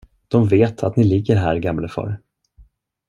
De vet, att ni ligger här, gamlefar.